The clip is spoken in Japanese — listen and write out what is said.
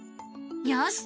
よし！